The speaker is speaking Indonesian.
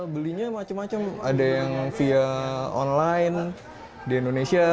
belinya macam macam ada yang via online di indonesia